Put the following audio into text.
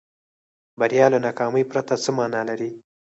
بریا له ناکامۍ پرته څه معنا لري.